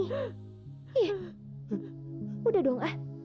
ih udah dong ah